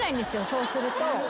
そうすると。